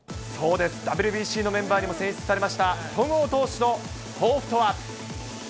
そうです、ＷＢＣのメンバーにも選出されました、戸郷投手の抱負とは。